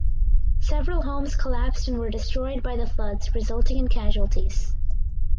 Several homes collapsed and were destroyed by the floods resulting in casualties.